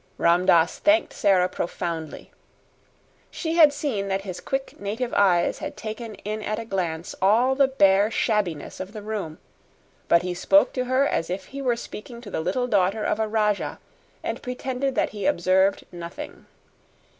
Ram Dass thanked Sara profoundly. She had seen that his quick native eyes had taken in at a glance all the bare shabbiness of the room, but he spoke to her as if he were speaking to the little daughter of a rajah, and pretended that he observed nothing.